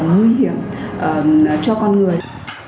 nguy hiểm cho con người